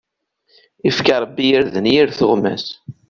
Ifka Ṛebbi irden i yir tuɣmas.